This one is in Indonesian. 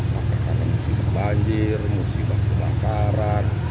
maka musibah banjir musibah pemakaran